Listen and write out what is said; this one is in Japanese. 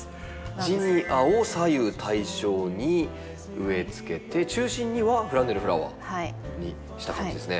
ジニアを左右対称に植えつけて中心にはフランネルフラワーにした感じですね。